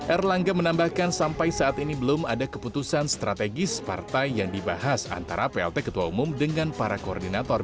erlangga menambahkan sampai saat ini belum ada keputusan strategis partai yang dibahas antara plt ketua umum dengan para koordinator